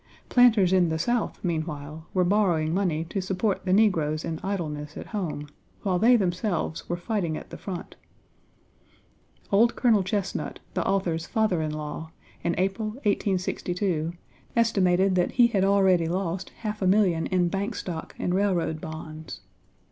Planters in the South, meanwhile, were borrowing money to support the negroes in idleness at home, while they themselves were fighting at the front. Old Colonel Chesnut, the author's father in law, in April, 1862, estimated that he had already lost half a million in bank stock and railroad bonds.